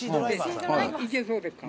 いけそうですか？